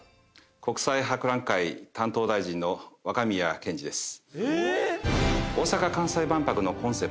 国際博覧会担当大臣の若宮健嗣です。